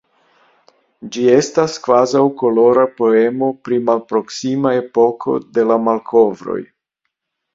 Ĝi estas kvazaŭ kolora poemo pri malproksima epoko de la malkovroj.